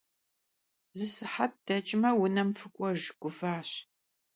Zı sıhet deç'ım vunem fık'uejj, guvaş.